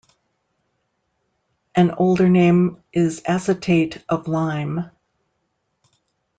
An older name is acetate of lime.